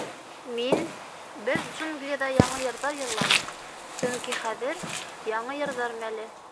Мин... беҙ джунглиҙа яңы йырҙар йырланыҡ, сөнки хәҙер — яңы йырҙар мәле.